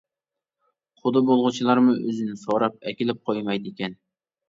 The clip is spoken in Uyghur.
قۇدا بولغۇچىلارمۇ ئۆزىنى سوراپ ئەكېلىپ قويمايدىكەن.